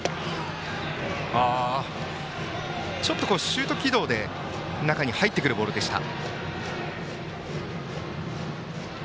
ちょっとシュート軌道で中に入ってくるボールでした。